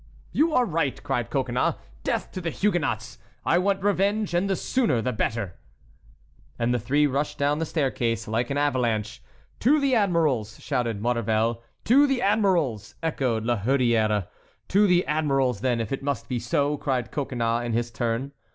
"You are right," cried Coconnas. "Death to the Huguenots! I want revenge, and the sooner the better." And the three rushed down the staircase, like an avalanche. "To the admiral's!" shouted Maurevel. "To the admiral's!" echoed La Hurière. "To the admiral's, then, if it must be so!" cried Coconnas in his turn.